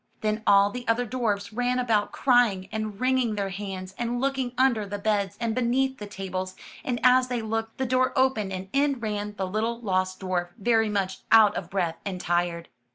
Then all the other dwarfs ran about crying, and wringing their hands, and looking under the beds and beneath' the tables, and, as they looked, the door opened and in ran the little lost dwarf, very much out of breath and tired.